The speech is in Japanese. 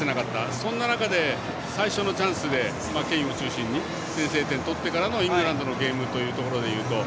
そんな中で最初のチャンスでケインを中心に先制点取ってからのイングランドのゲームで言うと。